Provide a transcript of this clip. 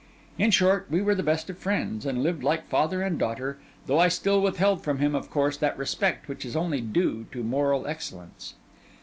In short, we were the best of friends, and lived like father and daughter; though I still withheld from him, of course, that respect which is only due to moral excellence.